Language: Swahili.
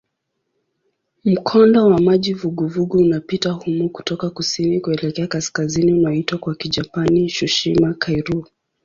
Mkondo wa maji vuguvugu unapita humo kutoka kusini kuelekea kaskazini unaoitwa kwa Kijapani "Tsushima-kairyū".